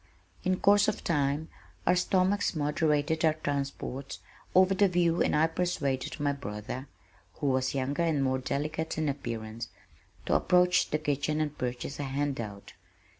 In course of time our stomachs moderated our transports over the view and I persuaded my brother (who was younger and more delicate in appearance) to approach the kitchen and purchase a handout.